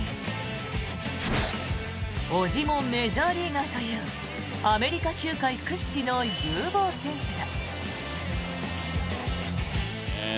叔父もメジャーリーガーというアメリカ球界屈指の有望選手だ。